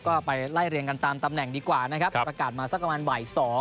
ก็ไปไล่เรียงกันตามตำแหน่งดีกว่านะครับประกาศมาสักประมาณบ่าย๒